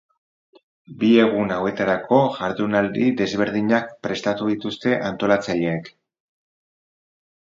Bi egun hauetarako jardunaldi desberdinak prestatu dituzte antolatzaileek.